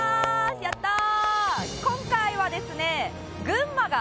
やったー！